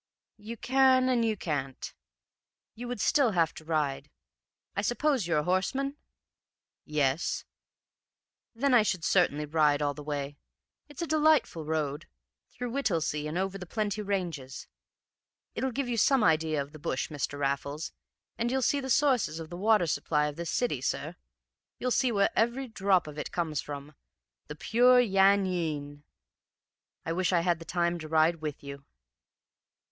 "'You can and you can't. You would still have to ride. I suppose you're a horseman?' "'Yes.' "'Then I should certainly ride all the way. It's a delightful road, through Whittlesea and over the Plenty Ranges. It'll give you some idea of the bush, Mr. Raffles, and you'll see the sources of the water supply of this city, sir. You'll see where every drop of it comes from, the pure Yan Yean! I wish I had time to ride with you.'